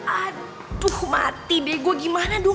aduh mati deh gue gimana dong